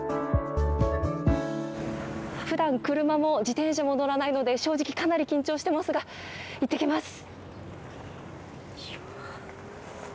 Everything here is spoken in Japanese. ふだん車も自転車も乗らないので正直かなり緊張していますが行ってきます。